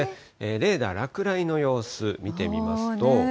レーダー、落雷の様子、見てみますと。